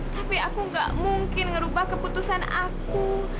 tapi aku gak mungkin ngerubah keputusan aku